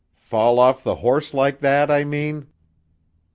"Fall off the horse like that, I mean?"